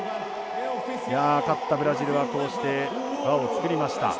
勝ったブラジルはこうして輪を作りました。